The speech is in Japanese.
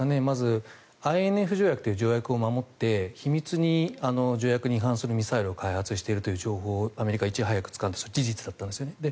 まず、ＩＮＦ条約を守って秘密に条約に違反するミサイルを開発しているという情報をアメリカはいち早くつかんでそれは事実だったんです。